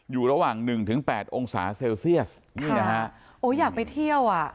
อยู่ระหว่าง๑๘องศาเซลเซียสอยากไปเที่ยว